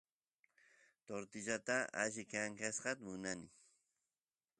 tortillata alli kankasqa munani